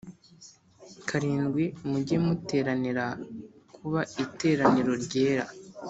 Karindwi mujye muteranira kuba iteraniro ryera